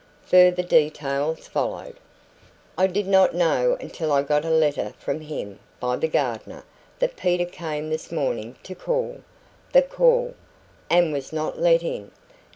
Further details followed: "I did not know until I got a letter from him (by the gardener) that Peter came this morning to call THE call and was not let in.